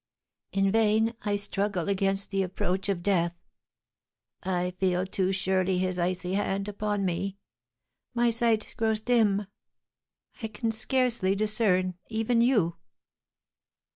In vain I struggle against the approach of Death. I feel too surely his icy hand upon me; my sight grows dim; I can scarcely discern even you."